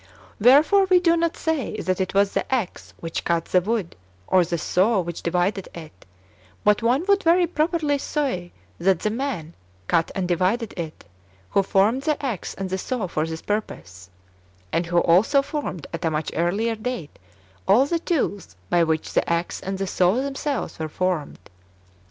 Wherefore, we do not say that it was the axe which cut the wood, or the saw which divided it ; but one would very pro perly say that the man cut and divided it who formed the axe and the saw for this purpose, and [who also formed] at a much earlier date all the tools by which the axe and the saw themselves were formed.